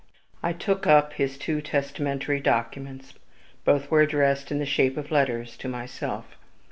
I took up his two testamentary documents; both were addressed in the shape of letters to myself.